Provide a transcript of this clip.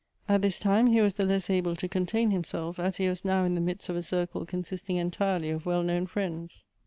At this time he was the Icsy able to contain himself, as he was now in the midst of a circle consisting entirely of well known friends.